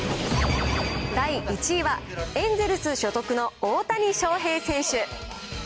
第１位は、エンゼルス所属の大谷翔平選手。